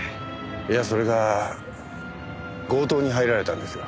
いやそれが強盗に入られたんですよ。